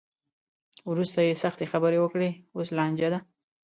وروسته یې سختې خبرې وکړې؛ اوس لانجه ده.